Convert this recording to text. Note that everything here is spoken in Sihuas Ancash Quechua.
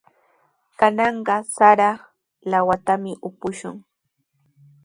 Kananqa sara lawatami upushun.